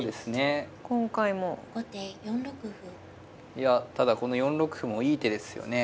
いやただこの４六歩もいい手ですよね。